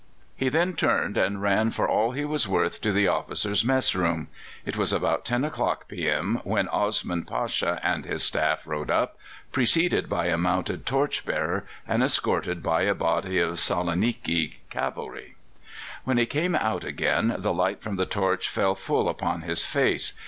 He then turned and ran for all he was worth to the officers' mess room. It was about ten o'clock p.m. when Osman Pasha and his staff rode up, preceded by a mounted torch bearer, and escorted by a body of Saloniki cavalry. When he came out again, the light from the torch fell full upon his face.